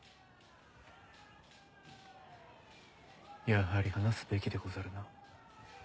やはり話すべきでござるな。